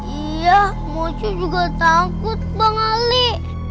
iya mochi juga takut bang ali